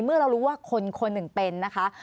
เมื่อเรารู้ว่าคนคนหนึ่งเป็นนะคะ